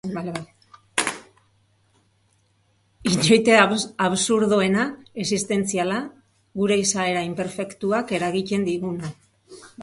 Itxoite absurdoena, existentziala, gure izaera inperfektuak eragiten diguna.